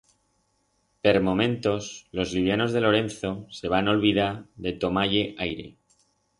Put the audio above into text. Per momentos los livianos de Lorenzo se van olbidar de tomar-ie aire.